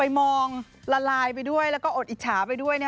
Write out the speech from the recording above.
มองละลายไปด้วยแล้วก็อดอิจฉาไปด้วย